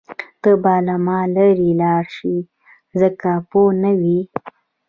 ته به له مانه لرې لاړه شې ځکه پوه نه وې.